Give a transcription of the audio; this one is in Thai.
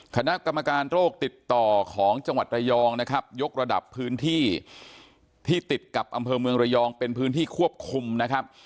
คณะกรรมการโรคติดต่อของจังหวัดระยองนะครับยกระดับพื้นที่ที่ติดกับอำเภอเมืองระยองเป็นพื้นที่ควบคุมนะครับ